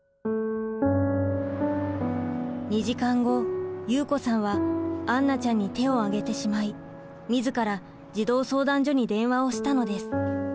２時間後祐子さんは杏奈ちゃんに手を上げてしまい自ら児童相談所に電話をしたのです。